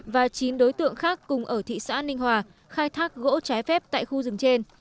và chín đối tượng khác cùng ở thị xã ninh hòa khai thác gỗ trái phép tại khu rừng trên